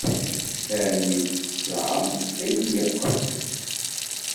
Armi d ttesɛa ay d-yeqqel.